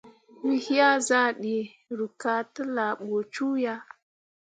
We yea zah ɗə, ruu ka tə laa ɓə cuu ya.